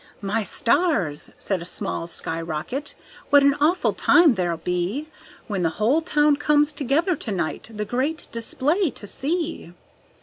"My stars!" said a small sky rocket. "What an awful time there'll be, When the whole town comes together to night, the great display to see!"